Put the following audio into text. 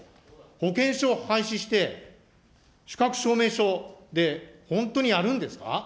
保険証を廃止して資格証明書で本当にやるんですか。